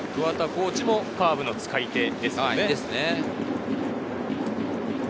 コーチもカーブの使い手ですよね。